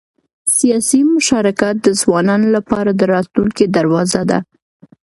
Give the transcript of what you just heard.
سیاسي مشارکت د ځوانانو لپاره د راتلونکي دروازه ده